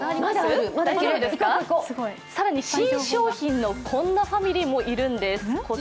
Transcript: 更に新商品のこんなファミリーもいるんです。